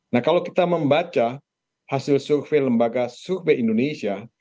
nah kalau kita membaca hasil survei lembaga survei indonesia